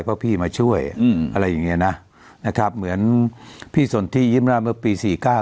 เพราะพี่มาช่วยอืมอะไรอย่างเงี้ยนะนะครับเหมือนพี่สนที่ยิ้มได้เมื่อปีสี่เก้า